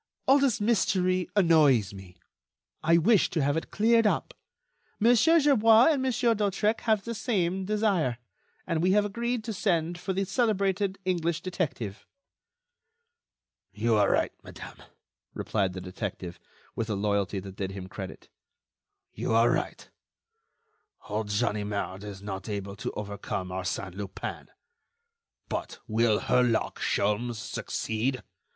All this mystery annoys me. I wish to have it cleared up. Monsieur Gerbois and Monsieur d'Hautrec have the same desire, and we have agreed to send for the celebrated English detective." "You are right, madame," replied the detective, with a loyalty that did him credit, "you are right. Old Ganimard is not able to overcome Arsène Lupin. But will Herlock Sholmes succeed?